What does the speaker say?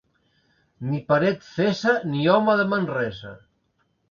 Ni paret fesa, ni home de Manresa.